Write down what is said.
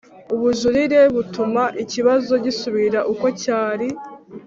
Ubujurire butuma ikibazo gisubira uko cyari